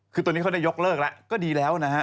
คือตอนนี้เขาได้ยกเลิกแล้วก็ดีแล้วนะฮะ